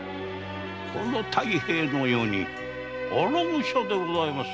この太平の世に「荒武者」でございますか？